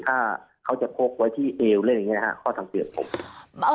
ถ้าเขาจะพกไว้ที่เอวอะไรแบบนี้นะครับข้อสังเกตผม